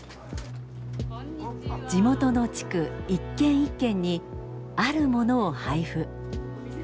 地元の地区一軒一軒にあるものを配布。